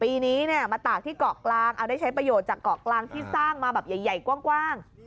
ปีนี้มาตากที่เกาะกลางเอาได้ใช้ประโยชน์จากเกาะกลางที่สร้างมาแบบใหญ่กว้าง